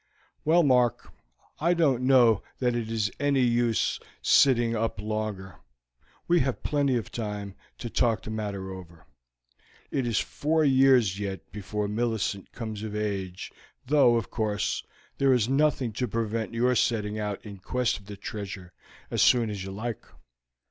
Well, Mark, I don't know that it is any use sitting up longer, we have plenty of time to talk the matter over; it is four years yet before Millicent comes of age, though, of course, there is nothing to prevent your setting out in quest of the treasure as soon as you like.